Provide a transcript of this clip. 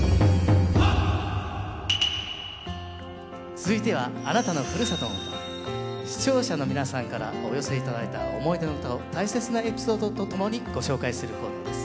続いては視聴者の皆さんからお寄せいただいた思い出の唄を大切なエピソードとともにご紹介するコーナーです。